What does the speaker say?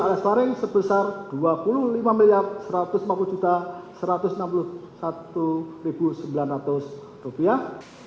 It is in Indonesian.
alias paring sebesar dua puluh lima miliar satu ratus empat puluh juta satu ratus enam puluh satu ribu sembilan ratus rupiah